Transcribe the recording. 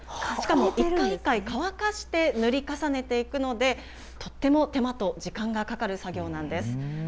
しかも一回一回乾かして塗り重ねていくので、とっても手間と時間がかかる作業なんです。